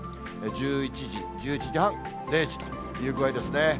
１１時、１１時半、０時という具合ですね。